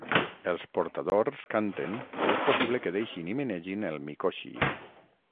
Els portadors canten i és possible que deixin i menegin el mikoshi.